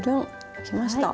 できました。